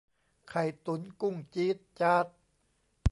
ไข่ตุ๋นกุ้งจี๊ดจ๊าด